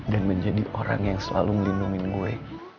dan menjadi orang yang selalu melindungi gue